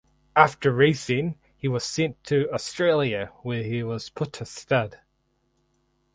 After racing he was sent to Australia where he was put to stud.